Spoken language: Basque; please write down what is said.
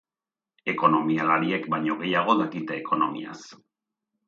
Ekonomialariek baino gehiago dakite ekonomiaz.